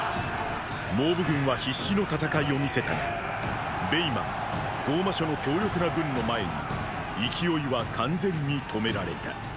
蒙武軍は必死の戦いを見せたが貝満・剛摩諸の強力な軍の前に勢いは完全に止められた。